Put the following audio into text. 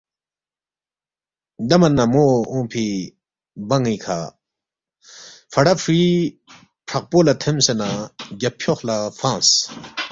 دے من نہ مو اونگفی بن٘ی کھہ فڑا فرُوی فرَقپو لہ تھمسے نہ گیب فیوخ لہ فنگس